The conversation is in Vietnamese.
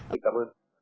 xin cảm ơn